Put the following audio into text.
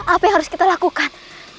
apa yang harus kita lakukan